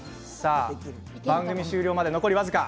番組終了まで残り僅か。